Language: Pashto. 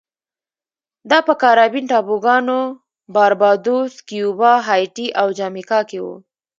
دا په کارابین ټاپوګانو باربادوس، کیوبا، هایټي او جامیکا کې و